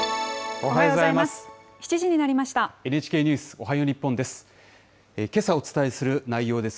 おはようございます。